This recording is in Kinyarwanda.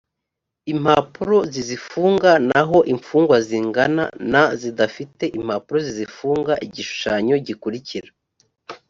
impapuro zizifunga naho imfungwa zingana na zidafite impapuro zizifunga igishushanyo gikurikira